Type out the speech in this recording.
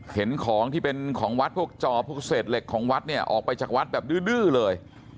เห็นของที่เป็นของวัดพวกจอพวกเศษเหล็กของวัดเนี่ยออกไปจากวัดแบบดื้อเลย